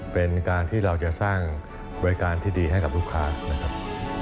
เป็นการที่เราจะสร้างบริการที่ดีให้กับลูกค้านะครับ